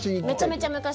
めちゃくちゃ昔。